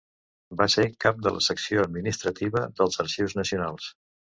Va ser cap de la Secció Administrativa dels Arxius Nacionals.